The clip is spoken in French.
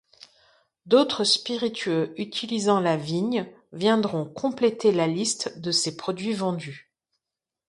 D’autres spiritueux utilisant la vigne viendront compléter la liste de ses produits vendus.